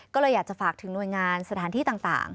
ก็เลยอยากจะฝากถึงหน่วยงานสถานที่ต่าง